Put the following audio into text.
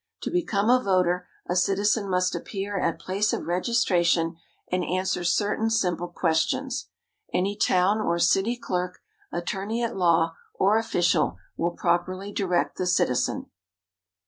To become a voter, a citizen must appear at place of registration and answer certain simple questions. Any town or city clerk, attorney at law, or official will properly direct the citizen.